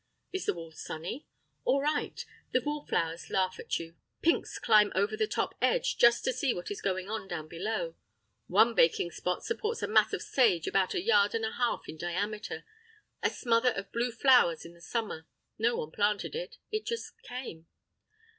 Is the wall sunny? All right; the wallflowers laugh at you, pinks climb over the top edge, just to see what is going on down below; one baking spot supports a mass of sage about a yard and a half in diameter, a smother of blue flowers in the summer; no one planted it, it just came!